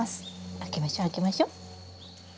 開けましょ開けましょ。